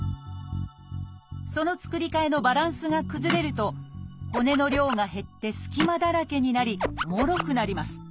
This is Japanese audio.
その作り替えのバランスが崩れると骨の量が減って隙間だらけになりもろくなります。